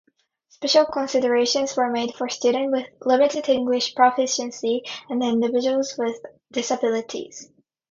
Special considerations were made for students with limited English proficiency and individuals with disabilities.